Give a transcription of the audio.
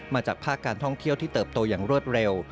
จากภาคการท่องเที่ยวที่เติบโตอย่างรวดเร็ว